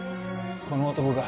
この男が